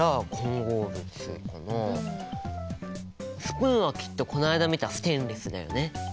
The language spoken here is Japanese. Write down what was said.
スプーンはきっとこの間見たステンレスだよね。